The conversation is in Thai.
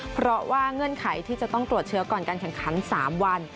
เพราะว่าเงื่อนไขที่จะต้องตรวจเชื้อก่อนการแข่งขัน๓วัน